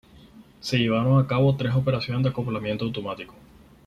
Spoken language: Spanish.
Se llevaron a cabo tres operaciones de acoplamiento automático.